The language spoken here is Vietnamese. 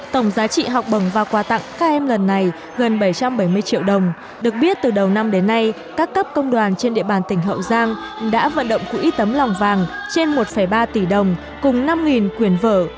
tổng giá trị học bổng và quà tặng các em lần này gần bảy trăm bảy mươi triệu đồng được biết từ đầu năm đến nay các cấp công đoàn trên địa bàn tỉnh hậu giang đã vận động quỹ tấm lòng vàng trên một ba tỷ đồng cùng năm quyền vở